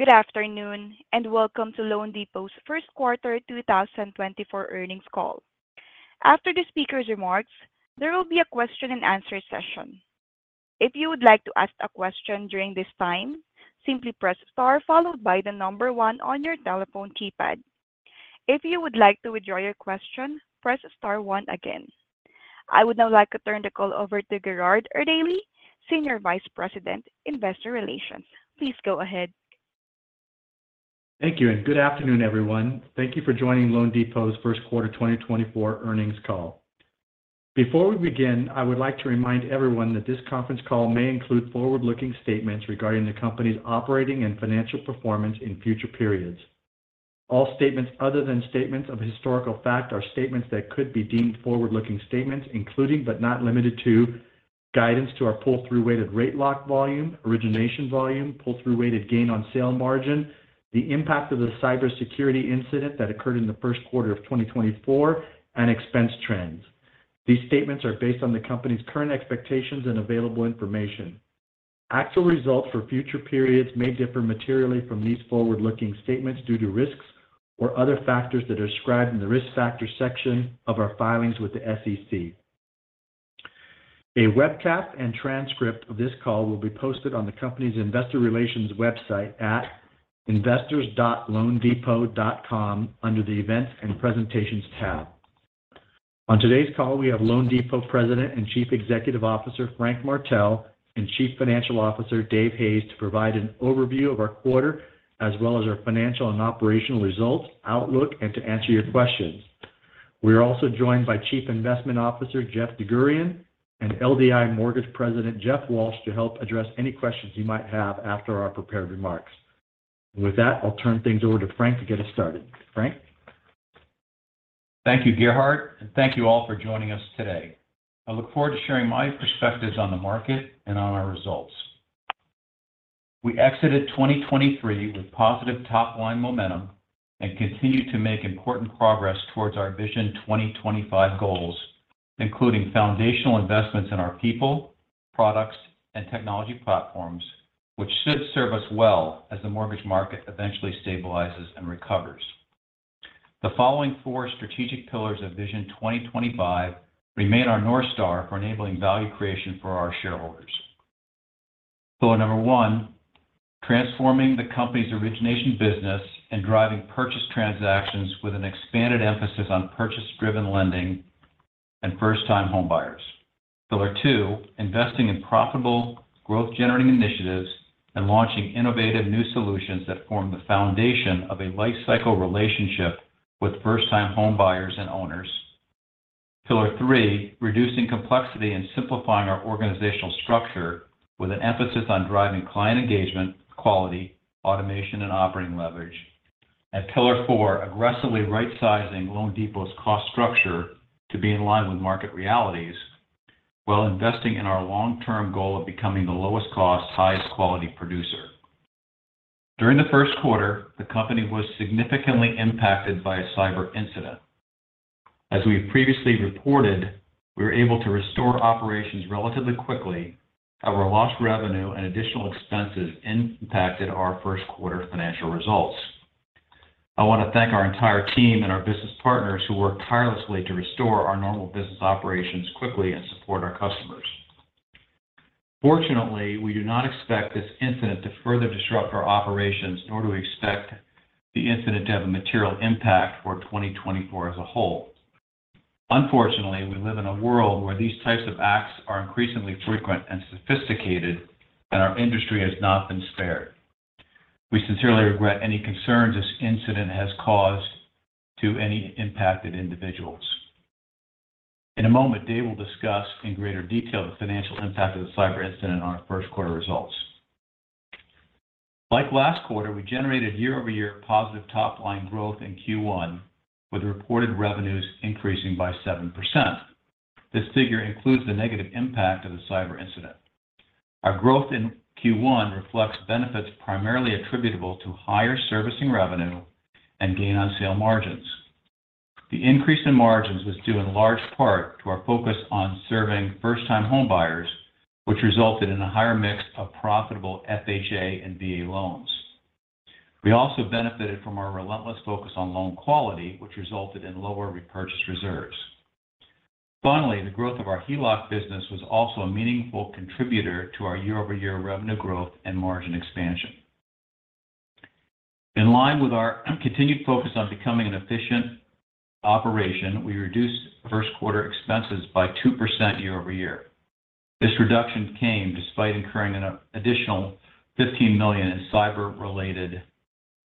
Good afternoon and welcome to loanDepot's Q1 2024 Earnings Call. After the speaker's remarks, there will be a question-and-answer session. If you would like to ask a question during this time, simply press star followed by the number 1 on your telephone keypad. If you would like to withdraw your question, press star 1 again. I would now like to turn the call over to Gerhard Erdelji, Senior Vice President, Investor Relations. Please go ahead. Thank you, and good afternoon, everyone. Thank you for joining loanDepot's Q1 2024 Earnings Call. Before we begin, I would like to remind everyone that this conference call may include forward-looking statements regarding the company's operating and financial performance in future periods. All statements other than statements of historical fact are statements that could be deemed forward-looking statements, including but not limited to: guidance to our pull-through-weighted rate lock volume, origination volume, pull-through-weighted gain on sale margin, the impact of the cybersecurity incident that occurred in the Q1 of 2024, and expense trends. These statements are based on the company's current expectations and available information. Actual results for future periods may differ materially from these forward-looking statements due to risks or other factors that are described in the risk factors section of our filings with the SEC. A webcast and transcript of this call will be posted on the company's Investor Relations website at investors.loandepot.com under the Events and Presentations tab. On today's call, we have loanDepot President and Chief Executive Officer Frank Martell and Chief Financial Officer Dave Hayes to provide an overview of our quarter as well as our financial and operational results, outlook, and to answer your questions. We are also joined by Chief Investment Officer Jeff DerGurahian and LDI Mortgage President Jeff Walsh to help address any questions you might have after our prepared remarks. With that, I'll turn things over to Frank to get us started. Frank? Thank you, Gerhard, and thank you all for joining us today. I look forward to sharing my perspectives on the market and on our results. We exited 2023 with positive top-line momentum and continue to make important progress towards our Vision 2025 goals, including foundational investments in our people, products, and technology platforms, which should serve us well as the mortgage market eventually stabilizes and recovers. The following four strategic pillars of Vision 2025 remain our north star for enabling value creation for our shareholders. Pillar number one: transforming the company's origination business and driving purchase transactions with an expanded emphasis on purchase-driven lending and first-time homebuyers. Pillar two: investing in profitable, growth-generating initiatives and launching innovative new solutions that form the foundation of a lifecycle relationship with first-time homebuyers and owners. Pillar three: reducing complexity and simplifying our organizational structure with an emphasis on driving client engagement, quality, automation, and operating leverage. Pillar four: aggressively right-sizing loanDepot's cost structure to be in line with market realities while investing in our long-term goal of becoming the lowest-cost, highest-quality producer. During the Q1, the company was significantly impacted by a cyber incident. As we've previously reported, we were able to restore operations relatively quickly. However, lost revenue and additional expenses impacted our Q1 financial results. I want to thank our entire team and our business partners who worked tirelessly to restore our normal business operations quickly and support our customers. Fortunately, we do not expect this incident to further disrupt our operations, nor do we expect the incident to have a material impact for 2024 as a whole. Unfortunately, we live in a world where these types of acts are increasingly frequent and sophisticated, and our industry has not been spared. We sincerely regret any concerns this incident has caused to any impacted individuals. In a moment, Dave will discuss in greater detail the financial impact of the cyber incident on our Q1 results. Like last quarter, we generated year-over-year positive top-line growth in Q1, with reported revenues increasing by 7%. This figure includes the negative impact of the cyber incident. Our growth in Q1 reflects benefits primarily attributable to higher servicing revenue and gain on sale margins. The increase in margins was due in large part to our focus on serving first-time homebuyers, which resulted in a higher mix of profitable FHA and VA loans. We also benefited from our relentless focus on loan quality, which resulted in lower repurchase reserves. Finally, the growth of our HELOC business was also a meaningful contributor to our year-over-year revenue growth and margin expansion. In line with our continued focus on becoming an efficient operation, we reduced Q1 expenses by 2% year-over-year. This reduction came despite incurring an additional $15 million in cyber-related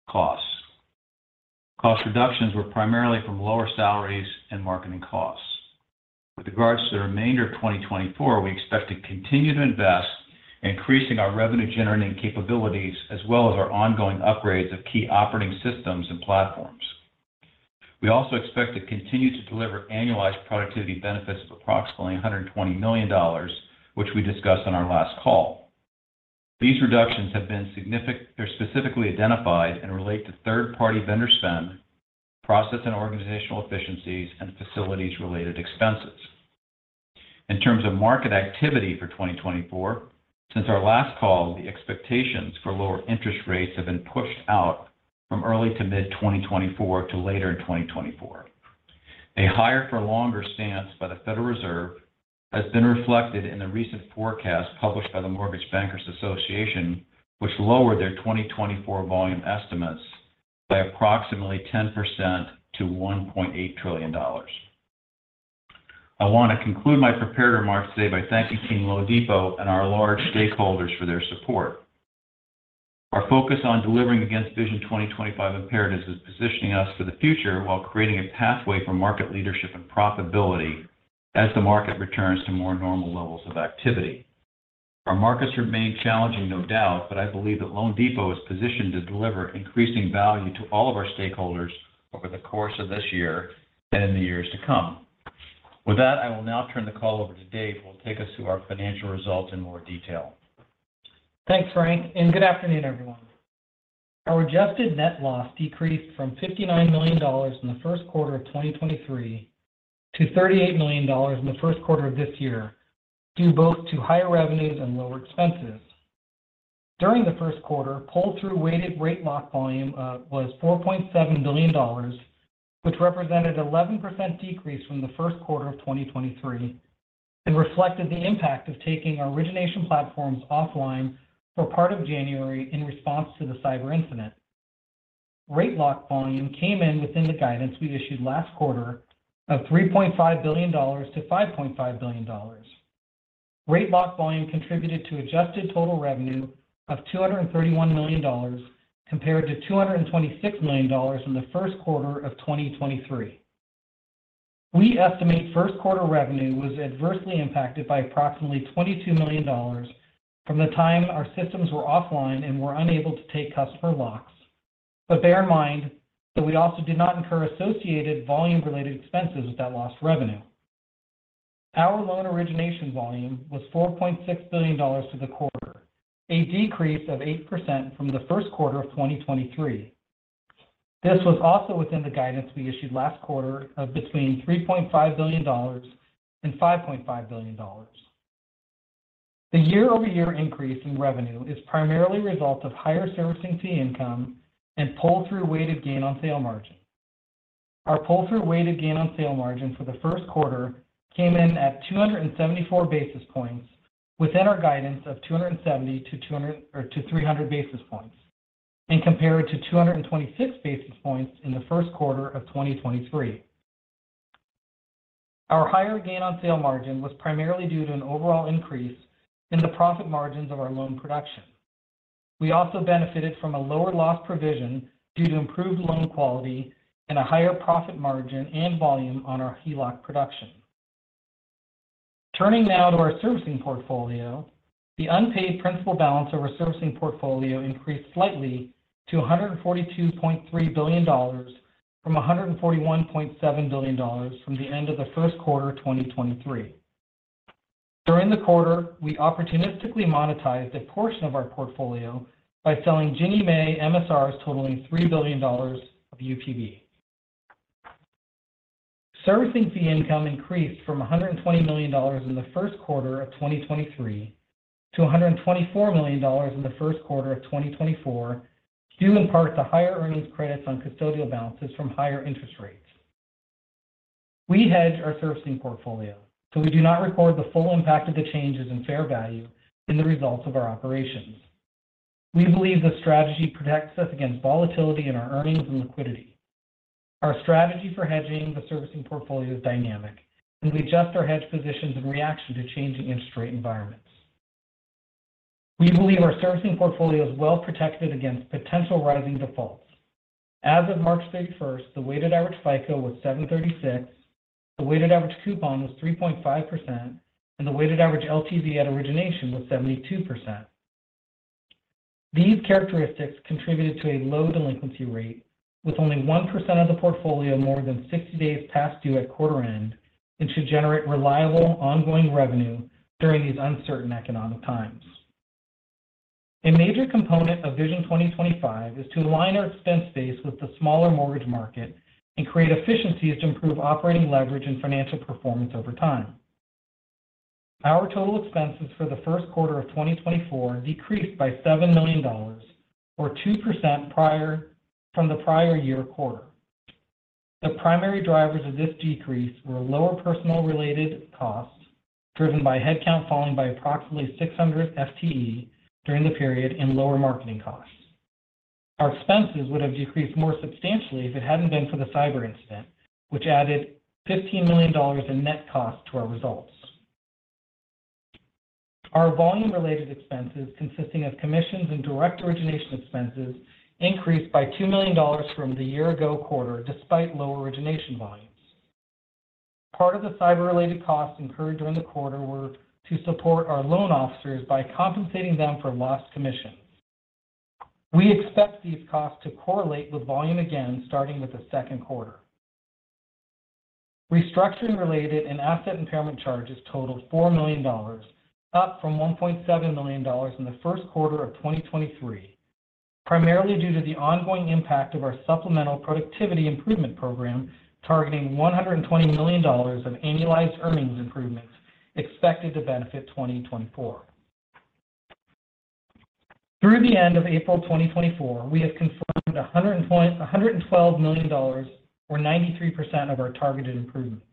costs. Cost reductions were primarily from lower salaries and marketing costs. With regards to the remainder of 2024, we expect to continue to invest, increasing our revenue-generating capabilities as well as our ongoing upgrades of key operating systems and platforms. We also expect to continue to deliver annualized productivity benefits of approximately $120 million, which we discussed on our last call. These reductions have been specifically identified and relate to third-party vendor spend, process and organizational efficiencies, and facilities-related expenses. In terms of market activity for 2024, since our last call, the expectations for lower interest rates have been pushed out from early to mid-2024 to later in 2024. A higher-for-longer stance by the Federal Reserve has been reflected in the recent forecast published by the Mortgage Bankers Association, which lowered their 2024 volume estimates by approximately 10% to $1.8 trillion. I want to conclude my prepared remarks today by thanking Team loanDepot and our large stakeholders for their support. Our focus on delivering against Vision 2025 imperatives is positioning us for the future while creating a pathway for market leadership and profitability as the market returns to more normal levels of activity. Our markets remain challenging, no doubt, but I believe that loanDepot is positioned to deliver increasing value to all of our stakeholders over the course of this year and in the years to come. With that, I will now turn the call over to Dave, who will take us through our financial results in more detail. Thanks, Frank, and good afternoon, everyone. Our adjusted net loss decreased from $59 million in the Q1 of 2023 to $38 million in the Q1 of this year, due both to higher revenues and lower expenses. During the Q1, pull-through-weighted rate lock volume was $4.7 billion, which represented an 11% decrease from the Q1 of 2023 and reflected the impact of taking our origination platforms offline for part of January in response to the cyber incident. Rate lock volume came in within the guidance we issued last quarter of $3.5 billion-$5.5 billion. Rate lock volume contributed to adjusted total revenue of $231 million compared to $226 million in the Q1 of 2023. We estimate Q1 revenue was adversely impacted by approximately $22 million from the time our systems were offline and were unable to take customer locks, but bear in mind that we also did not incur associated volume-related expenses with that lost revenue. Our loan origination volume was $4.6 billion for the quarter, a decrease of 8% from the Q1 of 2023. This was also within the guidance we issued last quarter of between $3.5 billion and $5.5 billion. The year-over-year increase in revenue is primarily a result of higher servicing fee income and pull-through-weighted gain on sale margin. Our pull-through-weighted gain on sale margin for the Q1 came in at 274 basis points within our guidance of 270-300 basis points and compared to 226 basis points in the Q1 of 2023. Our higher gain on sale margin was primarily due to an overall increase in the profit margins of our loan production. We also benefited from a lower loss provision due to improved loan quality and a higher profit margin and volume on our HELOC production. Turning now to our servicing portfolio, the unpaid principal balance of our servicing portfolio increased slightly to $142.3 billion from $141.7 billion from the end of the Q1 of 2023. During the quarter, we opportunistically monetized a portion of our portfolio by selling Ginnie Mae MSRs totaling $3 billion of UPB. Servicing fee income increased from $120 million in the Q1 of 2023 to $124 million in the Q1 of 2024, due in part to higher earnings credits on custodial balances from higher interest rates. We hedge our servicing portfolio, so we do not record the full impact of the changes in fair value in the results of our operations. We believe the strategy protects us against volatility in our earnings and liquidity. Our strategy for hedging the servicing portfolio is dynamic, and we adjust our hedge positions in reaction to changing interest rate environments. We believe our servicing portfolio is well protected against potential rising defaults. As of March 31st, the weighted average FICO was 736, the weighted average coupon was 3.5%, and the weighted average LTV at origination was 72%. These characteristics contributed to a low delinquency rate, with only 1% of the portfolio more than 60 days past due at quarter end, and should generate reliable ongoing revenue during these uncertain economic times. A major component of Vision 2025 is to align our expense base with the smaller mortgage market and create efficiencies to improve operating leverage and financial performance over time. Our total expenses for the Q1 of 2024 decreased by $7 million, or 2%, from the prior year quarter. The primary drivers of this decrease were lower personnel-related costs driven by headcount falling by approximately 600 FTE during the period and lower marketing costs. Our expenses would have decreased more substantially if it hadn't been for the cyber incident, which added $15 million in net costs to our results. Our volume-related expenses, consisting of commissions and direct origination expenses, increased by $2 million from the year-ago quarter despite lower origination volumes. Part of the cyber-related costs incurred during the quarter were to support our loan officers by compensating them for lost commissions. We expect these costs to correlate with volume again starting with the Q2. Restructuring-related and asset impairment charges totaled $4 million, up from $1.7 million in the Q1 of 2023, primarily due to the ongoing impact of our supplemental productivity improvement program targeting $120 million of annualized earnings improvements expected to benefit 2024. Through the end of April 2024, we have confirmed $112 million, or 93%, of our targeted improvements.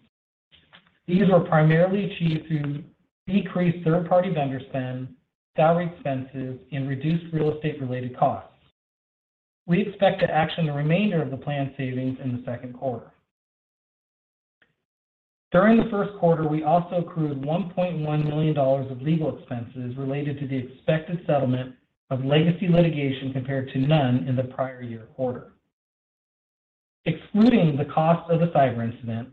These were primarily achieved through decreased third-party vendor spend, salary expenses, and reduced real estate-related costs. We expect to action the remainder of the planned savings in the Q2. During the Q1, we also accrued $1.1 million of legal expenses related to the expected settlement of legacy litigation compared to none in the prior year quarter. Excluding the costs of the cyber incident,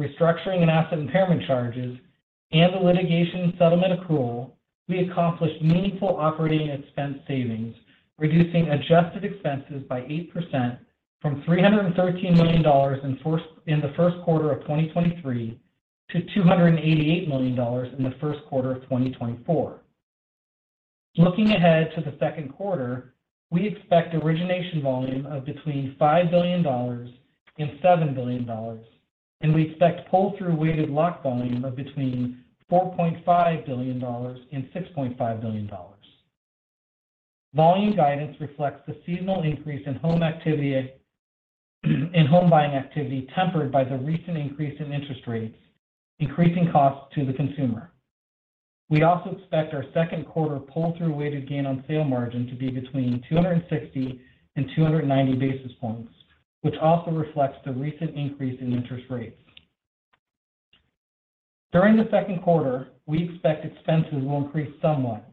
restructuring and asset impairment charges, and the litigation settlement accrual, we accomplished meaningful operating expense savings, reducing adjusted expenses by 8% from $313 million in the Q1 of 2023 to $288 million in the Q1 of 2024. Looking ahead to the Q2, we expect origination volume of between $5 billion-$7 billion, and we expect pull-through-weighted lock volume of between $4.5 billion-$6.5 billion. Volume guidance reflects the seasonal increase in home buying activity tempered by the recent increase in interest rates, increasing costs to the consumer. We also expect our Q2 pull-through-weighted gain on sale margin to be between 260 and 290 basis points, which also reflects the recent increase in interest rates. During the Q2, we expect expenses will increase somewhat,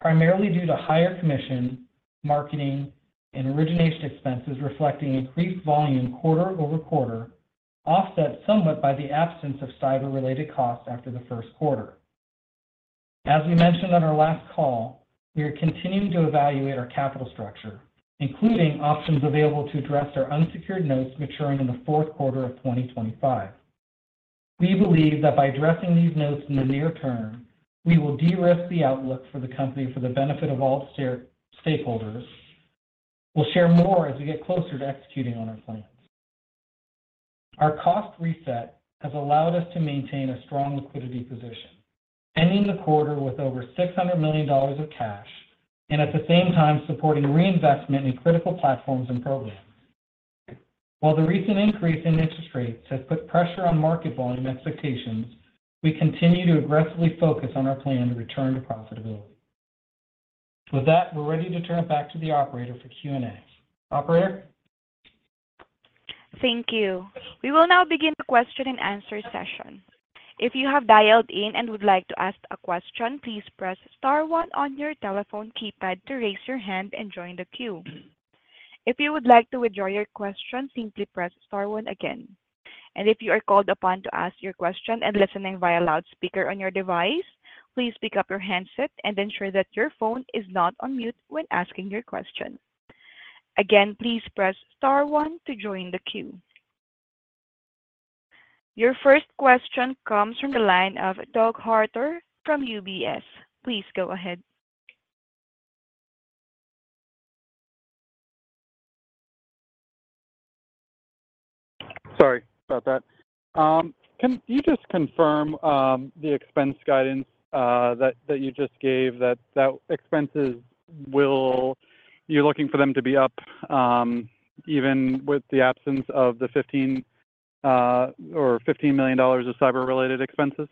primarily due to higher commission, marketing, and origination expenses reflecting increased volume quarter-over-quarter, offset somewhat by the absence of cyber-related costs after the Q1. As we mentioned on our last call, we are continuing to evaluate our capital structure, including options available to address our unsecured notes maturing in the Q4 of 2025. We believe that by addressing these notes in the near term, we will de-risk the outlook for the company for the benefit of all stakeholders. We'll share more as we get closer to executing on our plans. Our cost reset has allowed us to maintain a strong liquidity position, ending the quarter with over $600 million of cash and at the same time supporting reinvestment in critical platforms and programs. While the recent increase in interest rates has put pressure on market volume expectations, we continue to aggressively focus on our plan to return to profitability. With that, we're ready to turn it back to the operator for Q&A. Operator? Thank you. We will now begin the question-and-answer session. If you have dialed in and would like to ask a question, please press star 1 on your telephone keypad to raise your hand and join the queue. If you would like to withdraw your question, simply press star 1 again. If you are called upon to ask your question and listening via loudspeaker on your device, please pick up your handset and ensure that your phone is not on mute when asking your question. Again, please press star 1 to join the queue. Your first question comes from the line of Doug Harter from UBS. Please go ahead. Sorry about that. Can you just confirm the expense guidance that you just gave, that expenses will you're looking for them to be up even with the absence of the $15 million of cyber-related expenses?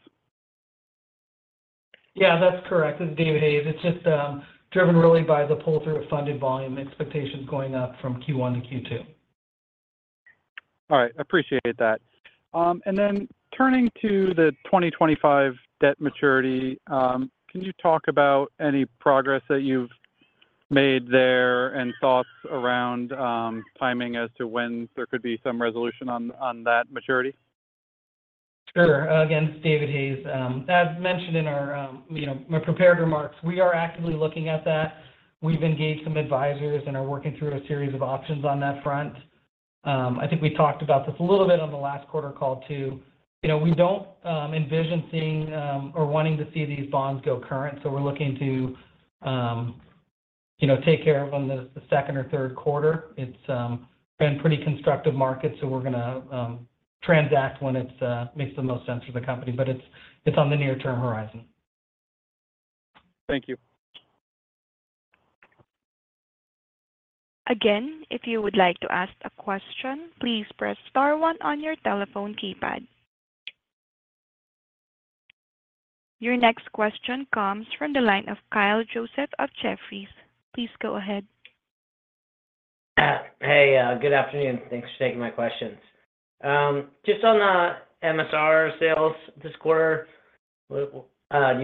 Yeah, that's correct. This is David Hayes. It's just driven really by the pull-through funded volume expectations going up from Q1 to Q2. All right. Appreciate that. And then turning to the 2025 debt maturity, can you talk about any progress that you've made there and thoughts around timing as to when there could be some resolution on that maturity? Sure. Again, this is David Hayes. As mentioned in my prepared remarks, we are actively looking at that. We've engaged some advisors and are working through a series of options on that front. I think we talked about this a little bit on the last quarter call, too. We don't envision seeing or wanting to see these bonds go current, so we're looking to take care of them in the second or Q3. It's been pretty constructive market, so we're going to transact when it makes the most sense for the company, but it's on the near-term horizon. Thank you. Again, if you would like to ask a question, please press star 1 on your telephone keypad. Your next question comes from the line of Kyle Joseph of Jefferies. Please go ahead. Hey, good afternoon. Thanks for taking my questions. Just on the MSR sales this quarter, do you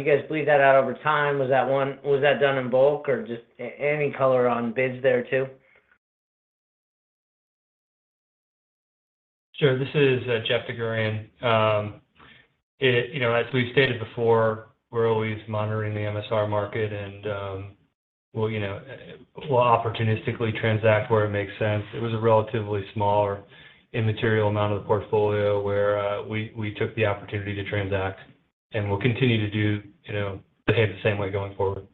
guys bleed that out over time? Was that done in bulk, or any color on bids there, too? Sure. This is Jeff DerGurahian. As we've stated before, we're always monitoring the MSR market, and we'll opportunistically transact where it makes sense. It was a relatively small or immaterial amount of the portfolio where we took the opportunity to transact, and we'll continue to do the same way going forward.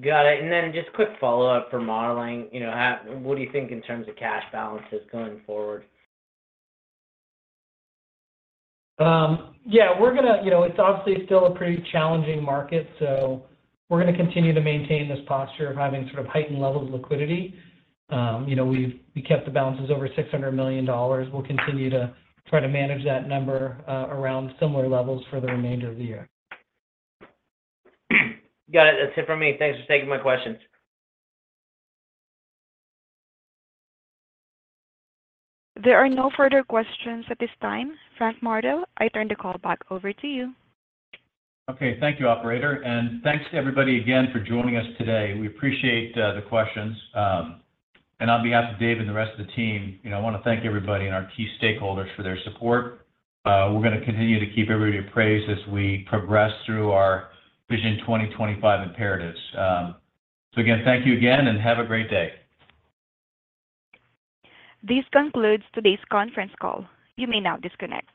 Got it. And then just quick follow-up for modeling. What do you think in terms of cash balances going forward? Yeah, we're going to. It's obviously still a pretty challenging market, so we're going to continue to maintain this posture of having sort of heightened levels of liquidity. We kept the balances over $600 million. We'll continue to try to manage that number around similar levels for the remainder of the year. Got it. That's it from me. Thanks for taking my questions. There are no further questions at this time. Frank Martell, I turn the call back over to you. Okay. Thank you, operator. Thanks to everybody again for joining us today. We appreciate the questions. On behalf of David and the rest of the team, I want to thank everybody and our key stakeholders for their support. We're going to continue to keep everybody apprised as we progress through our Vision 2025 imperatives. Again, thank you again, and have a great day. This concludes today's conference call. You may now disconnect.